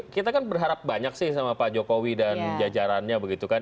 kita kan berharap banyak sih sama pak jokowi dan jajarannya begitu kan